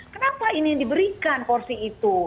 kenapa ini diberikan porsi itu